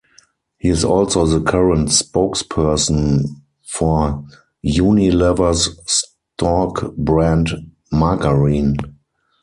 He is also the current spokesperson for Unilever's Stork brand margarine.